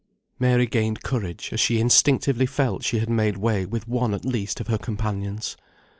Mary gained courage as she instinctively felt she had made way with one at least of her companions.